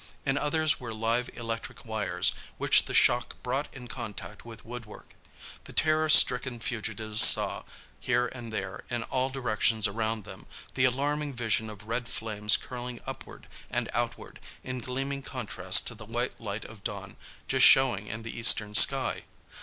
In others were live electric wires which the shock brought in contact with woodwork. The terror stricken fugitives saw, here and there, in all directions around them, the alarming vision of red flames curling upward and outward, in gleaming contrast to the white light of dawn just showing in the eastern sky.